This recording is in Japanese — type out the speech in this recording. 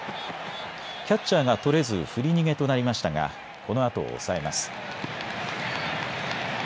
キャッチャーが捕れず振り逃げとなりましたがこのあとを抑えます。